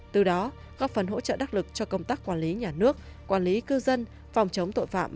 từ đó góp phần hỗ trợ đắc lực cho công tác quản lý nhà nước quản lý cư dân phòng chống tội phạm